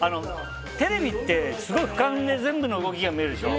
テレビってすごい俯瞰で全部の動きが見れるでしょ。